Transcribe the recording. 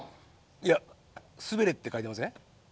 いや「すべれ」って書いてません？